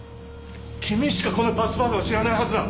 君しかこのパスワードは知らないはずだ。